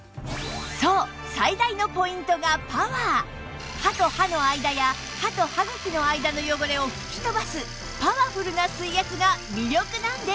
そう歯と歯の間や歯と歯茎の間の汚れを吹き飛ばすパワフルな水圧が魅力なんです